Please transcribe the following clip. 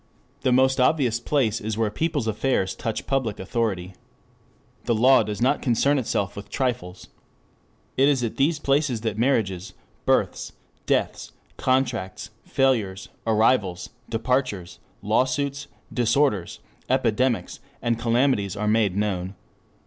The most obvious place is where people's affairs touch public authority. De minimis non curat lex. It is at these places that marriages, births, deaths, contracts, failures, arrivals, departures, lawsuits, disorders, epidemics and calamities are made known.